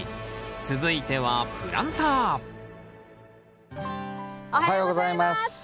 続いてはプランターおはようございます。